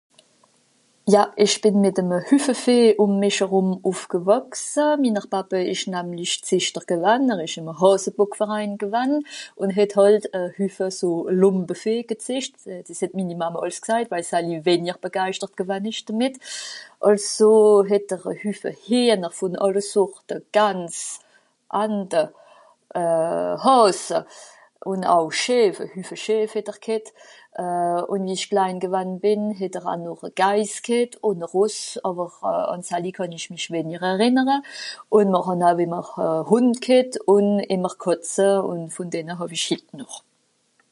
Ja ! Ìch bìn mìt'eme Hüffe Vìeh ùm mìch erùm ùffgewàchse, minner Pappe ìsch namlich Zìechter gewann, er ìsch ìme Hàsebockverein gewann, ùn het hàlt e hüffe so Lùmpevieh gezìcht. Dìs het minni Mamme àls gsajt, waje se wennjer begeischtert gewann ìsch demìt. Àlso het'r e Hüffe Hìener vùn àlle Sorte Ganz, Ante, euh... Hààs ùn au Schìff, e hüffe Schìff het'r ghet. Euh... ùn, wie ìch klein gewann bìn het'r aa noch e Geis ghet ùn e Ross, àwer àn salle kànn ìch mìch wenjer errìnnere, ùn mr hàn aa ìmmer e Hùnd ghet ùn ìmmer Kàtze ùn vùn denne hàw-ich hitt noch.